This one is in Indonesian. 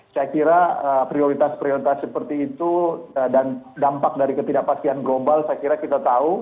saya kira prioritas prioritas seperti itu dan dampak dari ketidakpastian global saya kira kita tahu